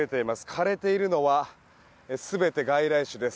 枯れているのは全て外来種です。